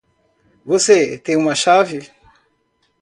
Você tem uma chave?